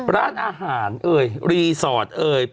ร้านอาหารเอ่ยรีสอร์ทเอ่ย